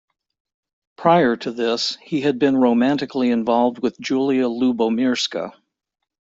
Prior to this, he had been romantically involved with Julia Lubomirska.